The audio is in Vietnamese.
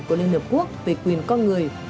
của liên hợp quốc về quyền con người